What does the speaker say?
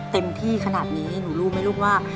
เต็มที่ขนาดนี้หนูรู้ไหมลูกว่า